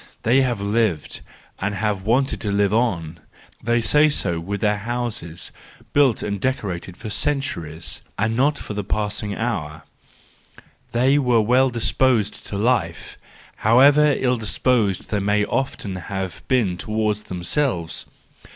They have lived and have wanted to live on—they say so with their houses, built and decorated for centuries, and not for the passing hour: they were well disposed to life, however ill disposed they may often have been towards themselves.